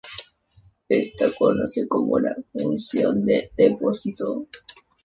Ésta conoce como función de depósito.